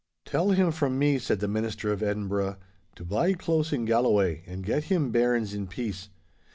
'Tell him from me,' said the minister of Edinburgh, 'to bide close in Galloway and get him bairns in peace.